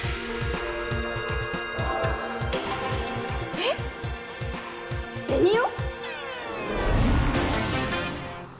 えっ⁉ベニオ⁉